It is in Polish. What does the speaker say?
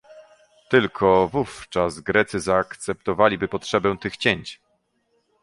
Tylko wówczas Grecy zaakceptowaliby potrzebę tych cięć